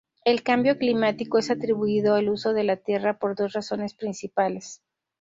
El cambio climático es atribuido al uso de la tierra por dos razones principales.